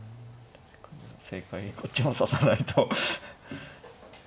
正解をこっちも指さないと。